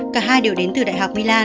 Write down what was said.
cả hai đều đến từ đại học milan